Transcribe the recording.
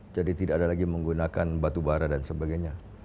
jadi tidak ada lagi menggunakan batu bara dan sebagainya